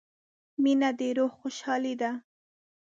• مینه د روح خوشحالي ده.